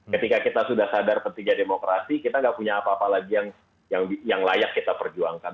ketika kita sudah sadar pentingnya demokrasi kita nggak punya apa apa lagi yang layak kita perjuangkan